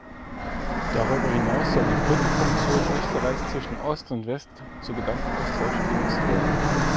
Darüber hinaus soll die Brückenfunktion Österreichs zwischen Ost und West zu Gedankenaustausch genutzt werden.